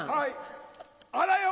あらよ！